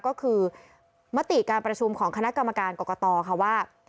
ก็คือมติการประชุมของคณะกรรมการกรกตค่ะว่า